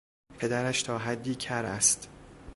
پدرش تا حدی کر است.